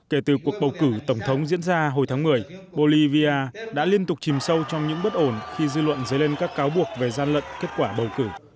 kể từ cuộc bầu cử tổng thống diễn ra hồi tháng một mươi bolivia đã liên tục chìm sâu trong những bất ổn khi dư luận dấy lên các cáo buộc về gian lận kết quả bầu cử